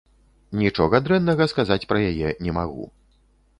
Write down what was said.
Нічога дрэннага сказаць пра яе не магу.